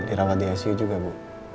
dirawat di icu juga bu